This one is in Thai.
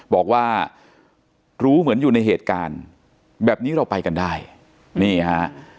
บอกว่ารู้เหมือนอยู่ในเหตุการณ์แบบนี้เราไปกันได้นี่ฮะ